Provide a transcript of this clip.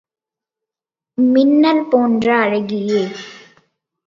மின்னல் போன்ற அழகியே!